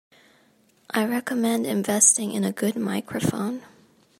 I recommend investing in a good microphone.